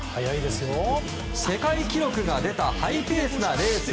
世界記録が出たハイペースなレース。